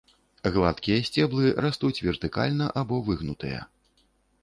Гладкія сцеблы растуць вертыкальна або выгнутыя.